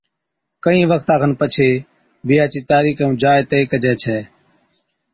ڪھين وقتا کن پڇي بِيھا چِي تاريخ ائُون جاءِ طئي ڪجي ڇَي